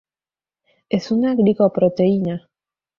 Es una glicoproteína.